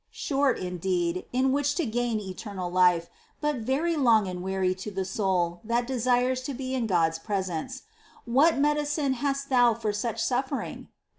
Short, indeed, in which to gain eternal life, but very long and weary to the soul that desires to be in God's presence ! What medicine hast Thou for such suffering